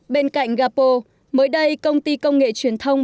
bên cạnh gapo mới đây công ty công nghệ truyền thông